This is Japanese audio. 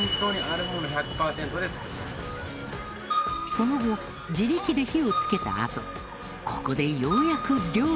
その後自力で火をつけたあとここでようやく漁に出発。